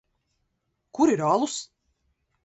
Kur ir alus?